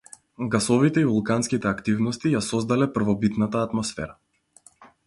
Гасовите и вулканските активности ја создале првобитната атмосфера.